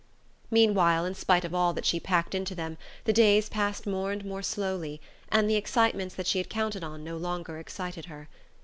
Meanwhile, in spite of all that she packed into them, the days passed more and more slowly, and the excitements she had counted on no longer excited her.